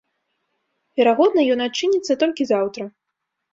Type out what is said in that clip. Верагодна, ён адчыніцца толькі заўтра.